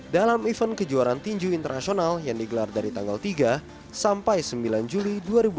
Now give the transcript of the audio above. dalam event kejuaraan tinju internasional yang digelar dari tanggal tiga sampai sembilan juli dua ribu dua puluh